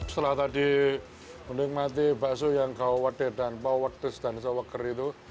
setelah tadi menikmati bakso yang gawatir dan powertus dan sowakker itu